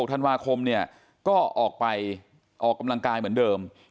ธันวาคมเนี่ยก็ออกไปออกกำลังกายเหมือนเดิม